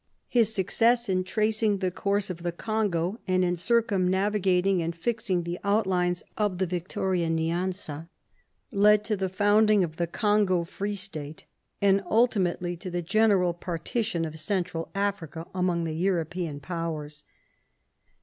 His success in tracing the course of the Congo and in circumnavigating and fixing the outlines of the Victoria Nyanza, led to the founding of the Congo Free State, and ultimately to the general par tition of Central Africa among the European Powers.